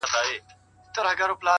وځم له كوره له اولاده شپې نه كوم;